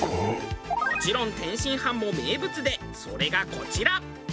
もちろん天津飯も名物でそれがこちら。